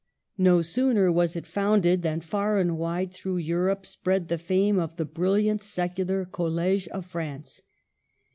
No sooner was it founded, than far and wide through Eu rope spread the fame of the brilliant secular College of France.